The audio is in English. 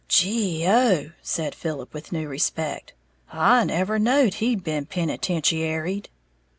"Gee oh," said Philip, with new respect, "I never knowed he'd been penitentiaried."